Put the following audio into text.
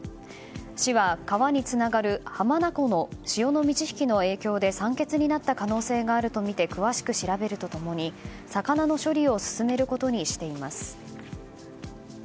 市は川につながる浜名湖の潮の満ち引きの影響で酸欠になった可能性があるとみて詳しく調べると共に魚の処理を進めることにしています。